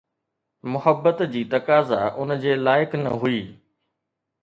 محبت جي تقاضا ان جي لائق نه هئي